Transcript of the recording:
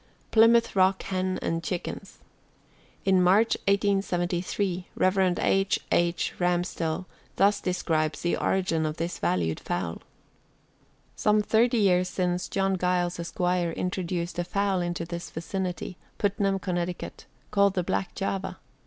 PLYMOUTH ROCK HEN AND CHICKENS. In March, 1873, Rev. H. H. Ramsdell thus describes the origin of this valued fowl: "Some thirty years since John Giles, Esq., introduced a fowl into this vicinity Putnam, Conn. called the Black Java.